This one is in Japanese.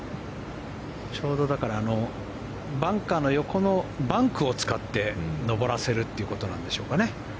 ちょうどバンカーの横のバンクを使って上らせるということなんですかね。